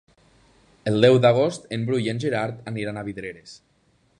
El deu d'agost en Bru i en Gerard aniran a Vidreres.